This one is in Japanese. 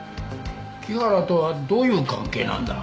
木原とはどういう関係なんだ？